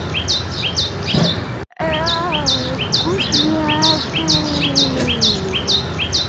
Поэтому мы должны отдавать себе отчет в реальности определенных перемен.